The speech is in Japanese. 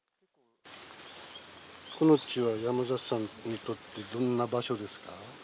この地は、山里さんにとって、どんな場所ですか？